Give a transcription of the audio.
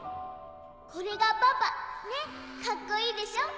これがパパねっカッコいいでしょ。